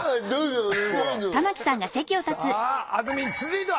さああずみん続いては？